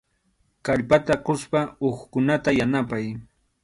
Kallpata quspa hukkunata yanapay.